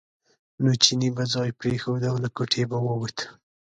نو چیني به ځای پرېښود او له کوټې به ووت.